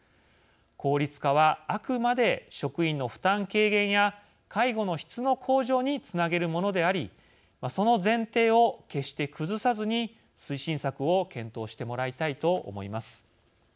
効率化はあくまで職員の負担軽減や介護の質の向上につなげるものでありその前提を決して崩さずに推進策を検討してもらいたいと思います。